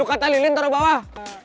kata lilin taruh bawah